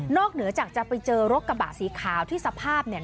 เหนือจากจะไปเจอรถกระบะสีขาวที่สภาพเนี่ย